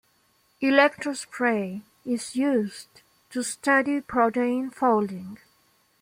Electrospray is used to study protein folding.